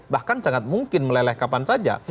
bahkan sangat mungkin meleleh kapan saja